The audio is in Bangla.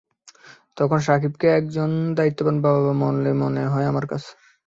তখন শাকিবকে একজন দায়িত্ববান বাবা মনে হয়েছে আমার কাছে।